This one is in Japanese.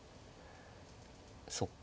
そっか。